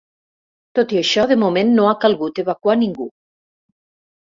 Tot i això, de moment no ha calgut evacuar ningú.